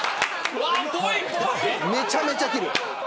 めちゃめちゃきれる。